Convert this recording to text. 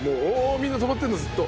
みんな止まってんだずっと。